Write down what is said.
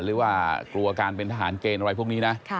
หรือว่ากลัวการเป็นทหารเกณฑ์อะไรพวกนี้นะ